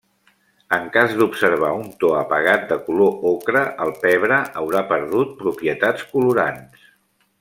En cas d'observar un to apagat de color ocre el pebre haurà perdut propietats colorants.